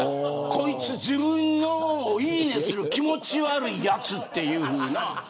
こいつ自分のをいいねする気持ち悪いやつっていうような。